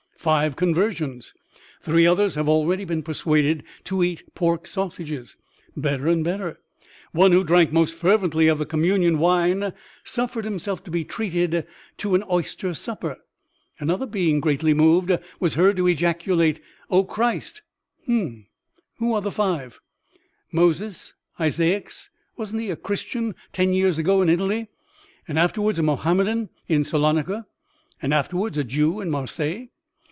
Five conversions!! Three others have already been persuaded to eat pork sausages. (Better and better.) One, who drank most fervently of the communion wine suffered himself to be treated to an oyster supper. Another, being greatly moved, was heard to ejaculate, 'O, Christ!'... Hum, who are the five? Moses Isaacs: wasn't he a Christian ten years ago in Italy, and afterwards a Mahommedan in Salonica, and afterwards a Jew in Marseilles?